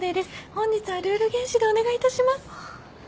「本日はルール厳守でお願いいたします」